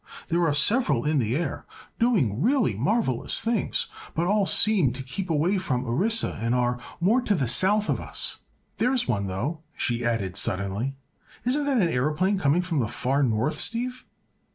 "There are several in the air, doing really marvelous things; but all seem to keep away from Orissa and are more to the south of us. There's one, though!" she added suddenly. "Isn't that an aëroplane coming from the far north, Steve?"